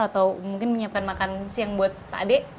atau mungkin menyiapkan makan siang buat pak ade